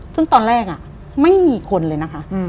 ซึ่งตอนแรกไม่มีคนเลยนะคะ